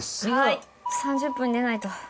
３０分に出ないと。